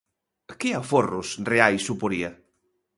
¿Que aforros reais suporía?